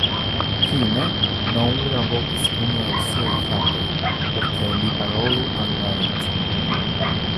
Fine, Noura vokis unu el siaj fratoj, por ke li parolu al la edzo.